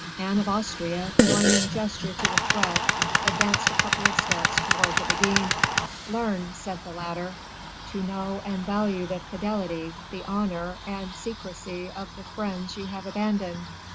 Anne of Austria, joining gesture to the threat, advanced a couple of steps towards the Beguine. "Learn," said the latter, "to know and value the fidelity, the honor, and secrecy of the friends you have abandoned."